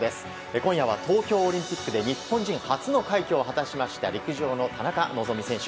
今夜は東京オリンピックで日本人初の快挙を成し遂げた陸上の田中希実選手。